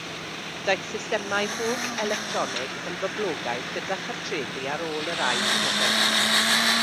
Daeth systemau holl-electronig yn boblogaidd gyda chartrefi ar ôl yr Ail Ryfel Byd.